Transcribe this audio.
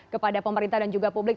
kepada pemerintah dan juga publik